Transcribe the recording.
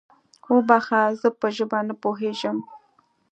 وبخښه، زه په ژبه نه پوهېږم؟